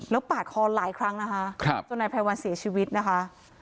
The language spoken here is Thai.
แล้วปาดคอหลายครั้งนะคะจนนายไพรวันเสียชีวิตนะคะ